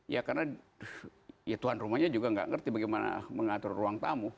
ya karena ya tuan rumahnya juga nggak ngerti bagaimana mengatur ruang tamu